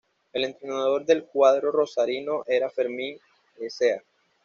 El entrenador del cuadro rosarino era Fermín Lecea.